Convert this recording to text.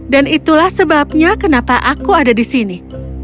dan itulah sebabnya kenapa aku ada di sini